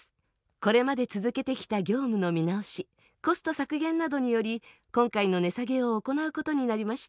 これまで続けてきた業務の見直しコスト削減などにより今回の値下げを行うことになりました。